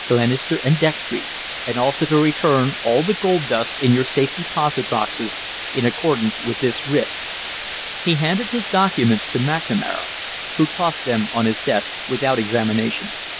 Glenister and Dextry, and also to return all the gold dust in your safe deposit boxes in accordance with this writ." He handed his documents to McNamara, who tossed them on his desk without examination.